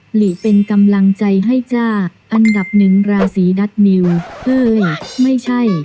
หลีเป็นกำลังใจให้จ้าอันดับหนึ่งราศีดัทนิวเอ้ยไม่ใช่